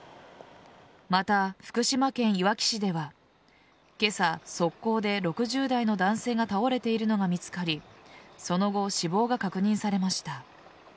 また、福島県いわき市では今朝、側溝で６０代の男性が倒れているのが見つかりその後、死亡が確認されました。